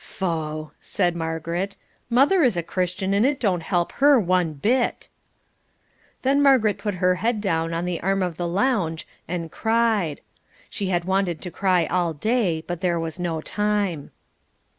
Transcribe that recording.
"Pho," said Margaret. "Mother is a Christian and it don't help her one bit." Then Margaret put her head down on the arm of the lounge and cried. She had wanted to cry all day, but there was no time.